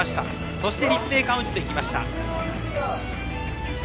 そして立命館宇治と行きました。